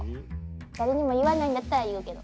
誰にも言わないんだったら言うけど。